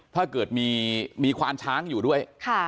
ถ้าเกิดมีควานช้างอยู่ด้วย